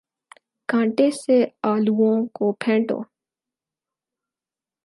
کانٹے سے آلووں کو پھینٹو